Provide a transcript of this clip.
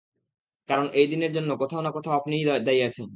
কারণ এই দিনের জন্য কোথাও না কোথাও আপনিও দায়ী আছেন।